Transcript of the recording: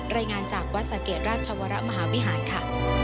รายงานจากวัดสะเกดราชวรมหาวิหารค่ะ